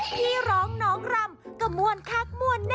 ที่ร้องน้องรำก็มวลคักมวลแน่